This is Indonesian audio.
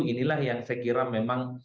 inilah yang saya kira memang